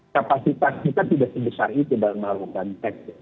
fasilitas kita tidak sebesar itu dalam hal konteks